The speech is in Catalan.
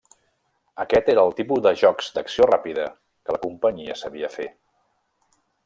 Aquest era el tipus de jocs d'acció ràpida que la companyia sabia fer.